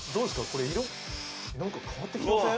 これ色何か変わってきてません？